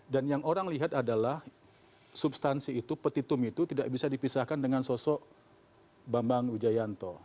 dan yang orang lihat adalah substansi itu petitum itu tidak bisa dipisahkan dengan sosok bambang ujjayanto